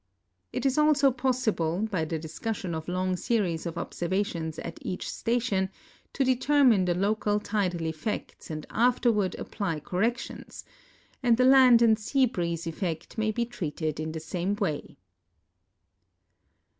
It is also possible, by the discussion of long series of observations at each station, to determine the local tidal effects and afterward apply corrections ; and the land and sea bi'eeze effect may be treated in the same way.